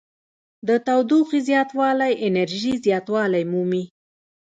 د تودوخې زیاتوالی انرژي زیاتوالی مومي.